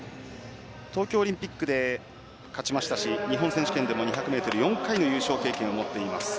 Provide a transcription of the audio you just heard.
東京オリンピックで勝ちましたし日本選手権で２００ｍ４回の優勝経験を持っています。